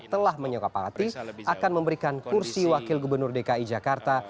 telah menyokapaati akan memberikan kursi wakil gubernur dki jakarta